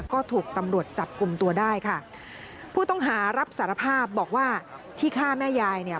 ก็ถูกตำรวจจับกลุ่มตัวได้ค่ะผู้ต้องหารับสารภาพบอกว่าที่ฆ่าแม่ยายเนี่ย